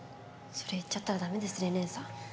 それ言っちゃったらダメですれんれんさん。